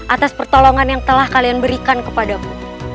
atas pertolongan yang telah kalian berikan kepadamu